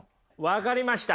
分かりました！